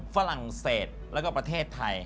ฝรั่งเศสแล้วก็ประเทศไทย